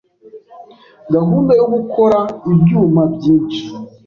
gahunda yo gukora ibyuma byinshi